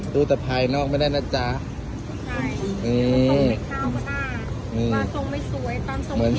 ตู้ตะพายนอกไม่ได้นะจ๊ะใช่อืมมาส่งไว้สวยตอนส่งไว้เทียวไปให้เราใน